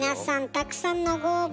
たくさんのご応募